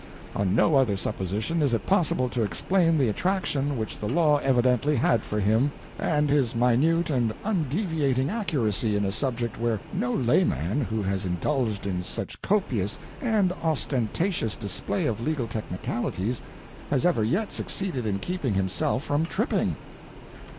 On no other supposition is it possible to explain the attraction which the law evidently had for him, and his minute and undeviating accuracy in a subject where no layman who has indulged in such copious and ostentatious display of legal technicalities has ever yet succeeded in keeping himself from tripping."